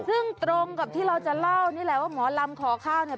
ซึ่งตรงกับที่เราจะเล่าหมอลำขอข้าวเนาะ